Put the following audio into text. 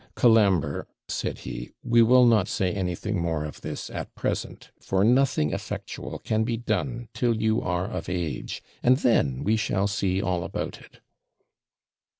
'Colambre,' said he, 'we will not say anything more of this at present; for nothing effectual can be done till you are of age, and then we shall see all about it.'